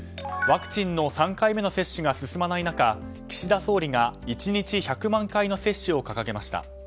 ワクチンの３回目の接種が進まない中岸田総理が１日１００万回の接種を掲げました。